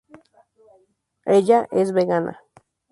Ella es vegana.